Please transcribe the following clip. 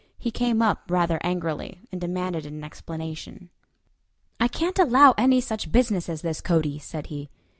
He came up rather angrily, and demanded an explanation. "I can't allow any such business as this, Cody," said he.